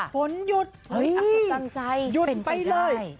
ฝนหยุดหยุดไปเลย